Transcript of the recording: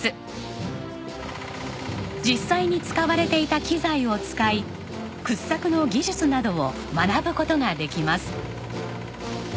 実際に使われていた機材を使い掘削の技術などを学ぶ事ができます。